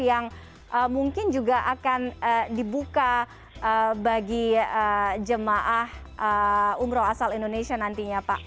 yang mungkin juga akan dibuka bagi jemaah umroh asal indonesia nantinya pak